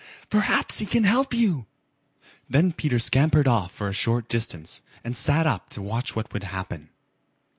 Perhaps he can help you." Then Peter scampered off for a short distance and sat up to watch what would happen.